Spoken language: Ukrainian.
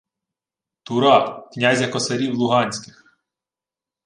— Тура, князя косарів луганських.